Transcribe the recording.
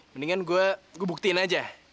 mendingan gw buktiin aja